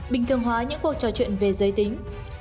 bình thường hóa những cuộc trò chuyện về giới tính